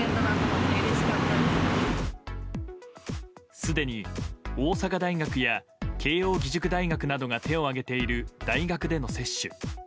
すでに大阪大学や慶應義塾大学などが手を挙げている大学での接種。